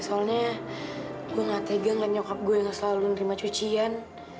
soalnya gue nggak tegang kan nyokap gue yang selalu nerima cucian